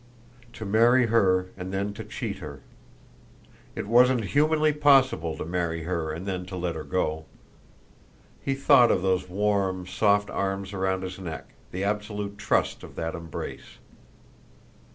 To marry her and then to cheat her. It wasn't humanly possible to marry her and then to let her go. He thought of those warm, soft arms round his neck, the absolute trust of that embrace.